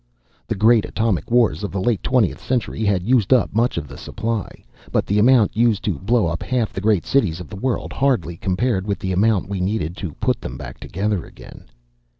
The great atomic wars of the late 20th Century had used up much of the supply, but the amount used to blow up half the great cities of the world hardly compared with the amount we needed to put them back together again.